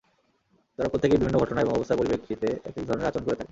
তারা প্রত্যেকেই বিভিন্ন ঘটনা অথবা অবস্থার পরিপ্রেক্ষিতে একেক ধরনের আচরণ করে থাকে।